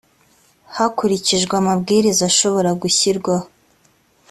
hakurikijwe amabwiriza ashobora gushyirwaho